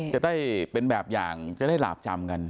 จะได้เป็นแบบอย่างจะได้หลาบจำกัน